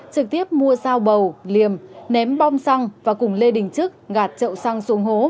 trực tiếp mua sao bầu liềm ném bom xăng và cùng lê đình trức gạt trậu xăng xuống hố